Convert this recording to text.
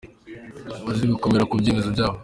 Ntibazi gukomera ku byemezo byabo,.